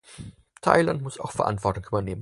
Thailand muss auch Verantwortung übernehmen.